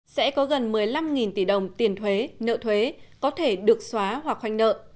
sẽ có gần một mươi năm tỷ đồng tiền thuế nợ thuế có thể được xóa hoặc khoanh nợ